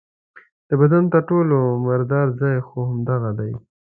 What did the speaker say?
د بدن تر ټولو مردار ځای خو همدغه دی.